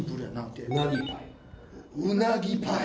「うなぎパイ」。